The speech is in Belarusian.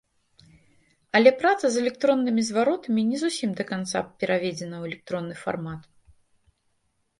Але праца з электроннымі зваротамі не зусім да канца пераведзеная ў электронны фармат.